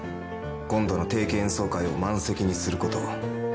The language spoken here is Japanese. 今度の定期演奏会を満席にすること。